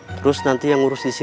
terus nanti yang ngurus disini siapa